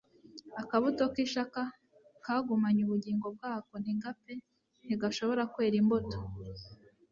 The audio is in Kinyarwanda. Akabuto k'ishaka kagumanye ubugingo bwako ntigapfe ntigashobora kwera imbuto.